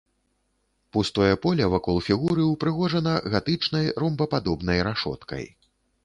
Пустое поле вакол фігуры ўпрыгожана гатычнай ромбападобнай рашоткай.